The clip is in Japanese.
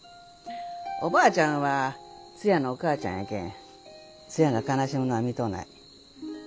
おばあちゃんはツヤのお母ちゃんやけんツヤが悲しむのは見とうない。